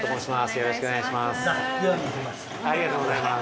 よろしくお願いします。